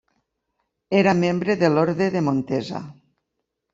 Era membre de l'Orde de Montesa.